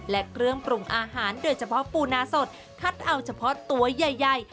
และเครื่องปรุงอาหารโดยเฉพาะปูนาสดคัดเอาเฉพาะตัวใหญ่